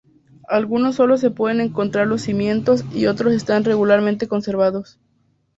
Algunos solo se puede encontrar los cimientos y otros están regularmente conservados.